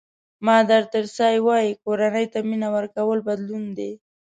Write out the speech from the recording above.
مادر تریسیا وایي کورنۍ ته مینه ورکول بدلون دی.